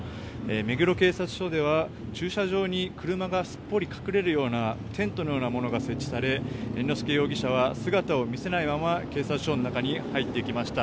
目黒警察署では駐車場に車がすっぽり隠れるようなテントのようなものが設置され猿之助容疑者は姿を見せないまま警察署の中に入っていきました。